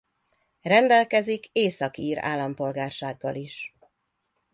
Rendelkezik északír állampolgársággal is.